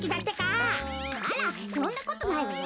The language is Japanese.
あらそんなことないわよ。